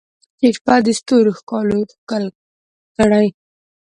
چې شپه د ستورو ښکالو ښکل کړي